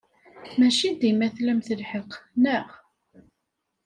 Maci dima tlamt lḥeqq, naɣ?